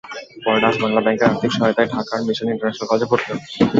পরে ডাচ্-বাংলা ব্যাংকের আর্থিক সহায়তায় ঢাকার মিশন ইন্টারন্যাশনাল কলেজে ভর্তি হন।